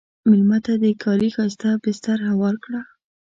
مېلمه ته د کالي ښایسته بستر هوار کړه.